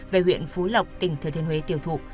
về huyện phú lộc tỉnh thừa thiên huế tiêu thụ